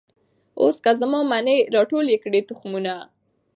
اوس که زما منۍ را ټول یې کړی تخمونه